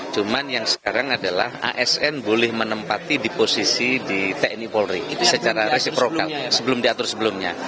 cuma yang sekarang adalah asn boleh menempati di posisi di tni polri secara resiprokal sebelum diatur sebelumnya